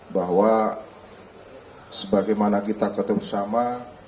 bahwa sebagaimana kita ketemu sama